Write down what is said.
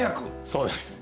そうです。